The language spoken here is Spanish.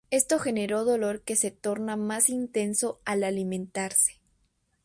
Esto genera dolor que se torna más intenso al alimentarse.